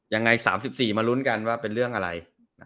ยังไง๓๔มาลุ้นกันว่าเป็นเรื่องอะไร